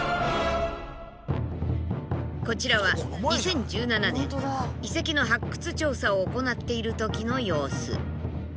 こちらは２０１７年遺跡の発掘調査を行っている時の様子。